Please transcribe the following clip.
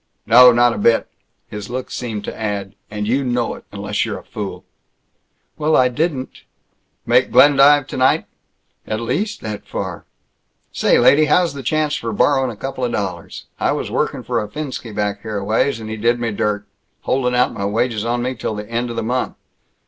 "No. Not a bit!" His look seemed to add, "And you know it unless you're a fool!" "Well, I didn't " "Make Glendive tonight?" "At least that far." "Say, lady, how's the chance for borrowin' a couple of dollars? I was workin' for a Finnski back here a ways, and he did me dirt holdin' out my wages on me till the end of the month."